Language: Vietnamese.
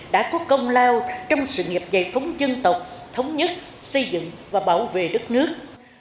đã có công lao trong sự nghiệp giải phóng dân tộc thống nhất xây dựng và bảo vệ đất nước